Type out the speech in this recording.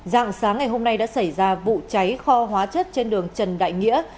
dạng sáng ngày hôm nay đã xảy ra vụ cháy kho hóa chất trên đường trần đại nghĩa